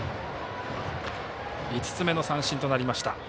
５つ目の三振となりました。